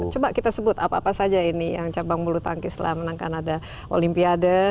coba kita sebut apa apa saja ini yang cabang mulutangki setelah menangkan ada olimpiade